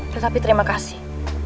tetapi terima kasih